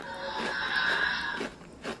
موږ غوښهمېشه چي په دغه کور کي بېدېدو.